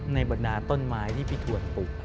บรรดาต้นไม้ที่พี่ถวนปลูก